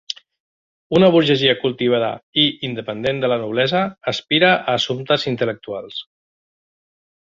Una burgesia cultivada i independent de la noblesa aspira a assumptes intel·lectuals.